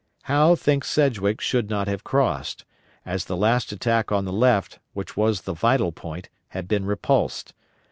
Howe thinks Sedgwick should not have crossed, as the last attack on the left, which was the vital point, had been repulsed.